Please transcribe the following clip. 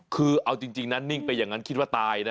คือเอาจริงนะนิ่งไปอย่างนั้นคิดว่าตายนะ